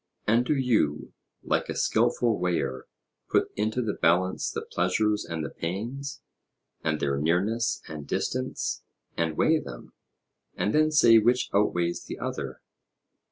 And do you, like a skilful weigher, put into the balance the pleasures and the pains, and their nearness and distance, and weigh them, and then say which outweighs the other.